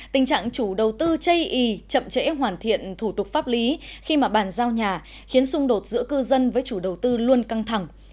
tình trạng chủ đầu tư chây y chậm chẽ hoàn thiện thủ tục pháp lý khi mà bàn giao nhà khiến xung đột giữa cư dân với chủ đầu tư luôn căng thẳng